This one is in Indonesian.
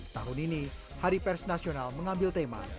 tahun ini hari pers nasional mengambil tema